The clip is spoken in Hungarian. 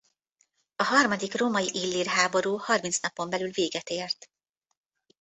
A harmadik római–illír háború harminc napon belül véget ért.